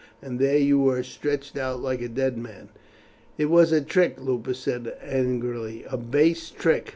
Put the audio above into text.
and there you were stretched out like a dead man." "It was a trick," Lupus said angrily, "a base trick."